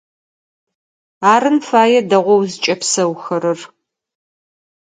Арын фае дэгъоу зыкӀэпсэухэрэр.